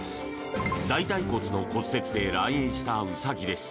大腿骨の骨折で来院したウサギです。